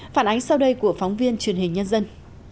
phản ánh sau đây của phóng viên truyền hình nhân dân